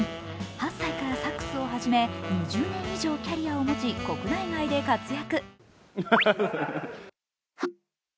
８歳からサックスを始め２０年以上のキャリアを持ち国内外で活躍。